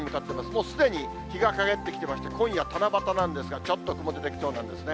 もうすでに日がかげってきてまして、今夜、七夕なんですが、ちょっと雲が出てきそうなんですね。